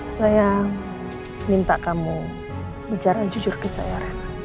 saya minta kamu bicara jujur ke saya